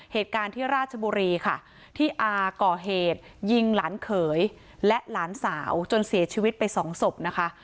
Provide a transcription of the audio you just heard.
เหตุการณ์ที่ราชบุรีค่ะที่อาก่อเหตุยิงหลานเขยและหลานสาวจนเสียชีวิตไปสองศพนะคะ